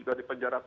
juga di penjara